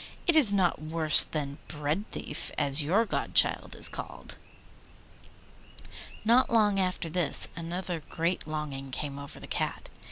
'It is not worse than Breadthief, as your godchild is called.' Not long after this another great longing came over the Cat.